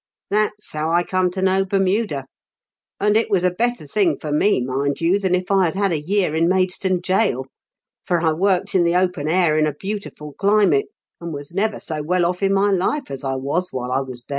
That's how I come to know Bermuda ; and it was a better thing for me, mind you, than if I had had a year in Maidstone gaol, for I worked in the open air, in a beautiful climate, and was never so well off in my life as I was while I was there."